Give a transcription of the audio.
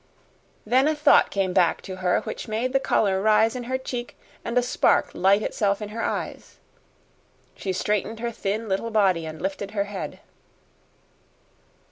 Then a thought came back to her which made the color rise in her cheek and a spark light itself in her eyes. She straightened her thin little body and lifted her head.